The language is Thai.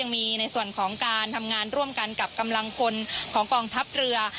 มีในส่วนของการทำงานร่วมกันกับกำลังพลของกองทัพเรือ